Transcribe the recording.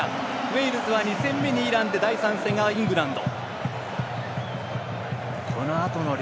ウェールズは２戦目にイランで第３戦がイングランド。